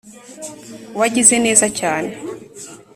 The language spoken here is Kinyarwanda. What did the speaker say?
wagize neza cyane